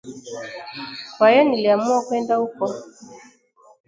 Kwa hiyo niliamua kwenda huko